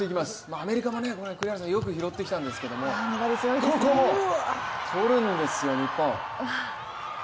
アメリカもよく拾ってきたんですけれどもここもとるんですよ、日本。